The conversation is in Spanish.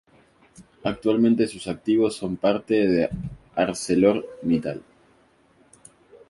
Actualmente sus activos son parte de Arcelor Mittal.